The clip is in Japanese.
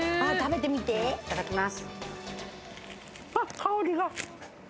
いただきます。